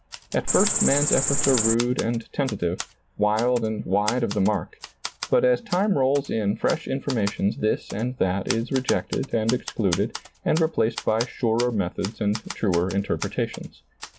At first man's efforts are rude and tentative, wild and wide of the mark, but as time rolls in fresh informations this and that is rejected and excluded and replaced by surer methods and truer interpretations.